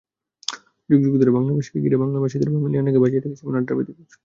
যুগ যুগ ধরে বাংলা ভাষাকে ঘিরে বাংলাদেশিদের বাঙালিয়ানাকে বাঁচিয়ে রেখেছে এমন আড্ডা, প্রীতি-ভোজ।